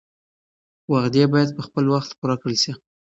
وعدې باید په وخت سره پوره کړل شي.